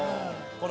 これ。